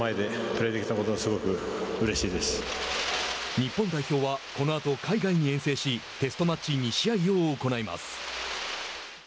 日本代表はこのあと、海外に遠征しテストマッチ２試合を行います。